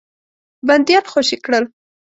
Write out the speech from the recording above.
بندیان خوشي کړل.